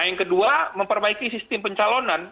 yang kedua memperbaiki sistem pencalonan